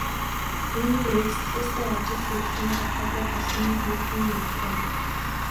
Үүний урьд Сахиустай ажил төрлийн холбоотой байсан нэг хүн ярьж байна.